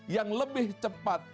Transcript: yang lebih cepat